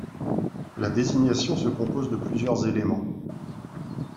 La désignation se compose de plusieurs éléments.